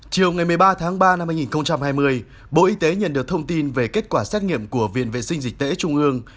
chiều ngày một mươi ba tháng ba năm hai nghìn hai mươi bộ y tế nhận được thông tin về kết quả xét nghiệm của viện vệ sinh dịch tễ trung ương